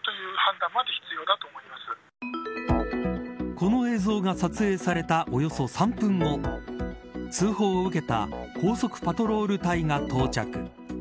この映像が撮影されたおよそ３分後通報を受けた高速パトロール隊が到着。